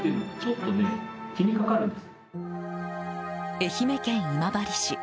愛媛県今治市。